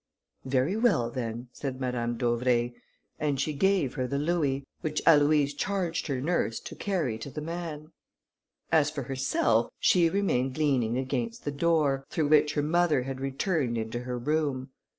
"Very well, then," said Madame d'Auvray, and she gave her the louis, which Aloïse charged her nurse to carry to the man. As for herself, she remained leaning against the door, through which her mother had returned into her room.